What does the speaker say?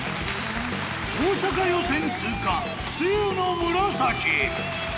大阪予選通過露の紫。